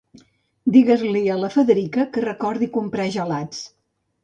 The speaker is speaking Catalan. Digues-l'hi a la Federica que recordi comprar gelats.